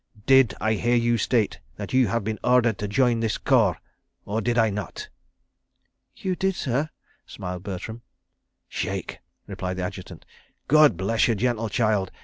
Did I hear you state that you have been ordered to join this corps—or did I not?" "You did, sir," smiled Bertram. "Shake," replied the Adjutant. "God bless you, gentle child.